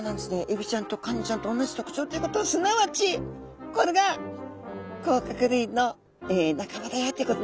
エビちゃんやカニちゃんとおんなじ特徴ということはすなわちこれが甲殻類の仲間だよってことなんですね。